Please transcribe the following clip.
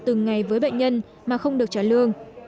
từng ngày với bệnh nhân mà không được trả lương